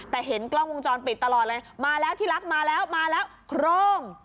แต่เห็นกล้องวงจรปิดตลอดเลยมาแล้วที่รักมาแล้วมาแล้วโครง